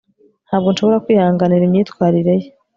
ntabwo nshobora kwihanganira imyitwarire ye